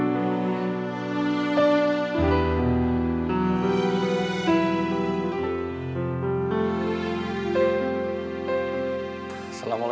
gertatnya tanpa kalinya